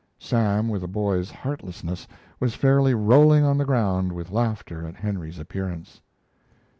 Sam, with a boy's heartlessness, was fairly rolling on the ground with laughter at Henry's appearance.